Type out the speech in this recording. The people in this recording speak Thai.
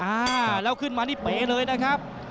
อ่าแล้วขึ้นมานี่เป๋เลยนะครับ